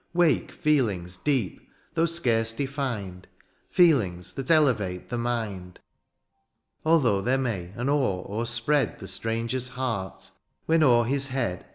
Wake feelings deep, though scarce defined. Feelings that elevate tlie mind. Altliough there may an awe overspread Tlie stranger's heart, when o'er his head THE AREOPAGITE.